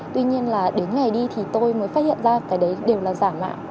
tuy nhiên là đến ngày đi thì tôi mới phát hiện ra cái đấy đều là giả mạo